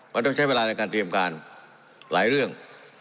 มันต้องใช้เวลาในการเตรียมการหลายเรื่อง